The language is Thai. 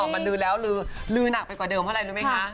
มันลือแล้วลือหนักไปกว่าเดิมเพราะอะไรรู้ไหมคะ